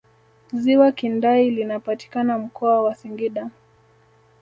ziwa kindai linapatikana mkoa wa singida